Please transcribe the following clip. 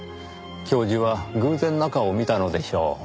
教授は偶然中を見たのでしょう。